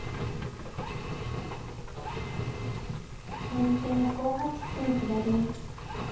先手５八金左。